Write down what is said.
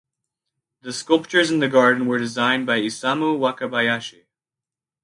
The sculptures in the garden were designed by Isamu Wakabayashi.